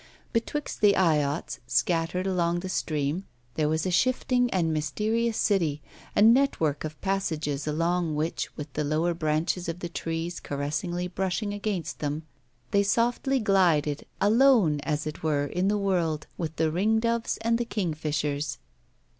Betwixt the eyots scattered along the stream there was a shifting and mysterious city, a network of passages along which, with the lower branches of the trees caressingly brushing against them, they softly glided, alone, as it were, in the world, with the ringdoves and the kingfishers.